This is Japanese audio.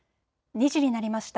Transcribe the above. ２時になりました。